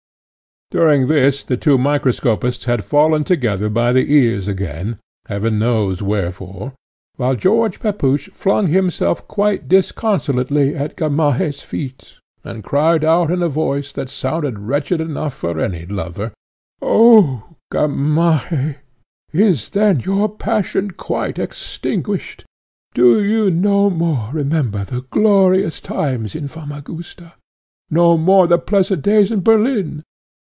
During this the two microscopists had fallen together by the ears again, heaven knows wherefore; while George Pepusch flung himself quite disconsolately at Gamaheh's feet, and cried out in a voice that sounded wretched enough for any lover, "Oh, Gamaheh! is then your passion quite extinguished? Do you no more remember the glorious times in Famagusta? no more the pleasant days in Berlin?